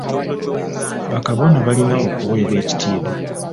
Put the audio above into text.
Ba kabona balina okuweebwa ekitiibwa.